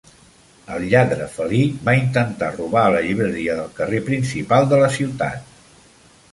El lladre felí va intentar robar a la llibreria del carrer principal de la ciutat.